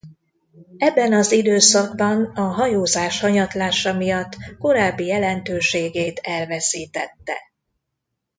Ebben az időszakban a hajózás hanyatlása miatt korábbi jelentőségét elveszítette.